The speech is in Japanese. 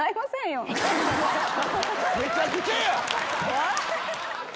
めちゃくちゃや！